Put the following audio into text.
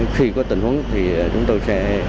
khi có tình huống thì chúng tôi sẽ